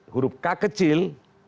huruf k kecil